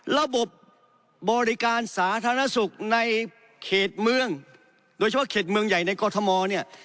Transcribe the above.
ระบบบริการสาธารณสุขในเขตเมืองโดยเฉพาะเขตเมืองใหญ่ในกรทมเนี่ย